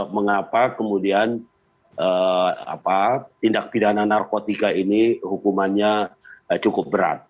mengapa kemudian tindak pidana narkotika ini hukumannya cukup berat